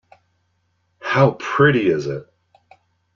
How pretty it is!